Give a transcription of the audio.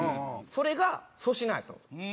それが粗品やったんですよ。